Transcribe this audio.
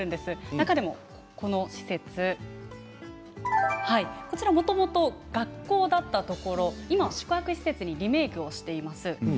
中でもこの施設、こちらはもともと学校だったところ今、宿泊施設にリメークしています。